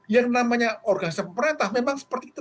yang namanya organisasi pemerintah memang seperti itu